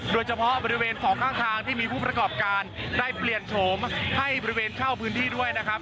โดยเฉพาะบริเวณของข้างทางที่มีผู้ประกอบการได้เปลี่ยนโฉมให้บริเวณเข้าพื้นที่ด้วยนะครับ